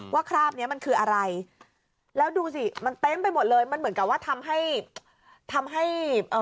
ว่าคราบนี้มันคืออะไรแล้วดูสิมันเต็มไปหมดเลยมันเหมือนกับว่าทำให้